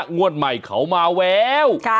งวดใหม่เขามาแวว